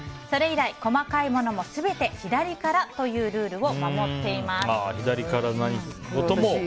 それ以来、細かいものも全て左からというルールを守っています。